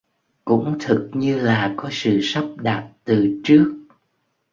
cũng thực như là có sự sắp đặt từ trước